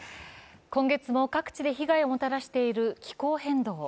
今月も各地で被害をもたらしている気候変動。